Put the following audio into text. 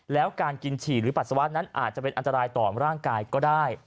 แล้วการกินฉี่หรือปัสสาวะนั้นอาจจะเป็นอันตรายต่อร่างกายก็ได้